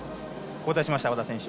交代しました、和田選手。